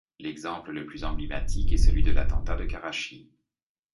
L’exemple le plus emblématique est celui de l’attentat de Karachi.